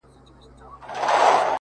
مسافر ليونى;